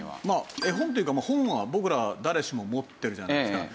まあ絵本っていうか本は僕ら誰しも持ってるじゃないですか。